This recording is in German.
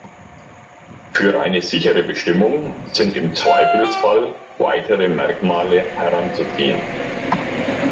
Für eine sichere Bestimmung sind im Zweifelsfall weitere Merkmale heranzuziehen.